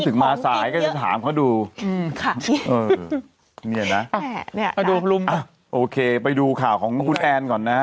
คุณเอาอะไรใส่ไว้ที่กระป๋าของเก๊มมันมาดูตุงหนึ่งเลยน่ะ